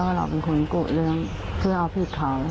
เราเป็นคนกุเรื่องเพื่อเอาผิดเขา